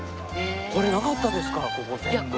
これなかったですからここ全部。